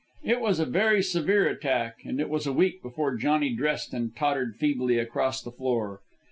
It was a very severe attack, and it was a week before Johnny dressed and tottered feebly across the floor.